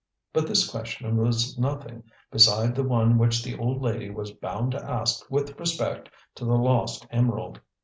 But this question was nothing beside the one which the old lady was bound to ask with respect to the lost emerald.